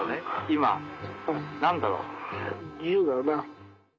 今何だろう？